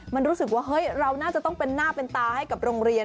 มันรู้สึกว่าเฮ้ยเราน่าจะต้องเป็นหน้าเป็นตาให้กับโรงเรียน